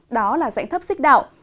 đó là dạnh thấp xích đạo